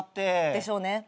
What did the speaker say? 「でしょうね」？